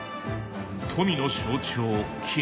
富の象徴金。